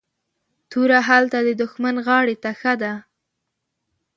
توره هلته ددښمن غاړي ته ښه ده